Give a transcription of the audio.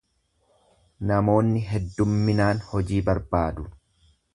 Namoonni heddumminaan hojii barbaadu.